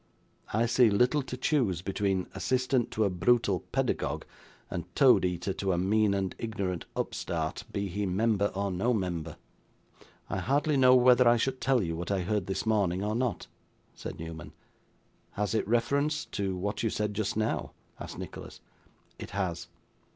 I see little to choose, between assistant to a brutal pedagogue, and toad eater to a mean and ignorant upstart, be he member or no member.' 'I hardly know whether I should tell you what I heard this morning, or not,' said Newman. 'Has it reference to what you said just now?' asked Nicholas. 'It has.